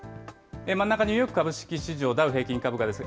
真ん中、ニューヨーク株式市場ダウ平均株価です。